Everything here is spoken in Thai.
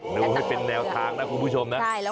ดูให้เป็นแนวทางนะคุณผู้ชมนะ